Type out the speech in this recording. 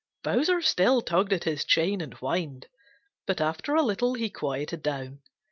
Bowser still tugged at his chain and whined, but after a little he quieted down.